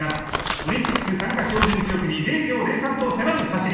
オリンピック参加標準記録に０秒０３と迫る走り。